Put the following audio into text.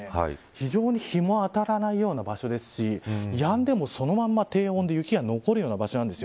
非常に日も当たらないような場所ですしやんでも、そのまま低温で雪が残るような場所なんです。